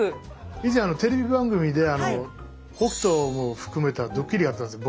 以前テレビ番組で北斗も含めたドッキリやったんですよ。